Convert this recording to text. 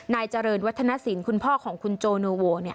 นายเจริญวัฒนศิลป์คุณพ่อของคุณโจโนโว